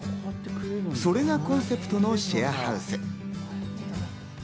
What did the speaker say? それがコンセプトのシェアハウス。